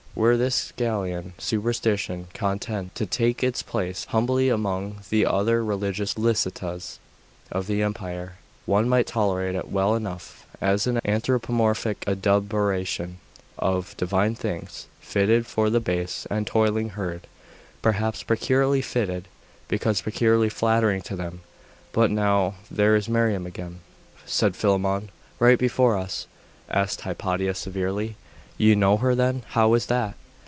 'Were this Galilean superstition content to take its place humbly among the other "religiones licitas" of the empire, one might tolerate it well enough, as an anthropomorphic adumbration of divine things fitted for the base and toiling herd; perhaps peculiarly fitted, because peculiarly flattering to them. But now ' 'There is Miriam again,' said Philammon, 'right before us!' 'Miriam?' asked Hypatia severely. 'You know her then? How is that?